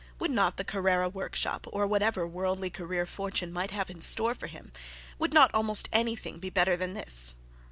Would not the Carrara workshop, or whatever worldly career fortune might have in store for him, would not almost anything be better than this?